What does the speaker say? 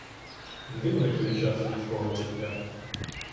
Дивний той час людського життя.